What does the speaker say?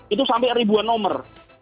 itu sampai ribuan nomor